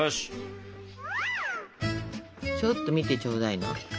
ちょっと見てちょうだいな。